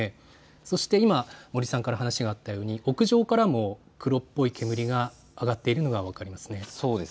そして今、森さんから話があったように屋上からも黒っぽい煙が上がっているのが分かります。